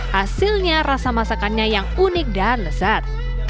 hasilnya rasa masakannya yang unik dan lezat